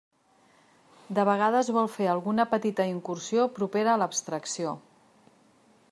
De vegades vol fer alguna petita incursió propera a l'abstracció.